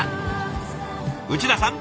内田さん